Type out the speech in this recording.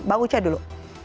bang uca dulu